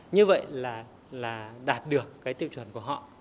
như vậy là đạt được